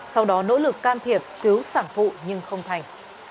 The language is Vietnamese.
sau đó nỗ lực can thiệp cứu sản phụ nhưng không thành